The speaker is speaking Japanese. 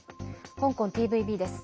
香港ＴＶＢです。